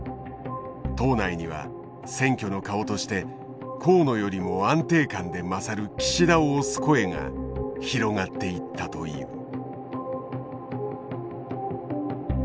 党内には選挙の顔として河野よりも安定感で勝る岸田を推す声が広がっていったという。